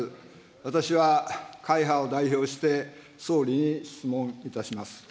私は会派を代表して総理に質問いたします。